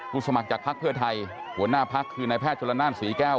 ภาพเพื่อไทยหัวหน้าภาคคือแนวแพทย์ยุลนนั่นศรีแก้ว